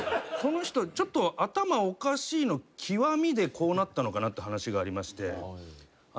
その人ちょっと頭おかしいの極みでこうなったのかなって話がありまして。